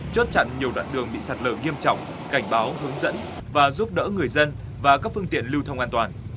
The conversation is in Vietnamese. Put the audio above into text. chốt chặn nhiều đoạn đường bị sạt lở nghiêm trọng cảnh báo hướng dẫn và giúp đỡ người dân và các phương tiện lưu thông an toàn